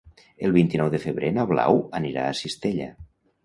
El vint-i-nou de febrer na Blau anirà a Cistella.